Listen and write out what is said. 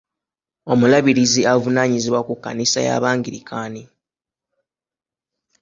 Omulabirizi avunaanyizibwa ku kkanisa y'abangirikaani.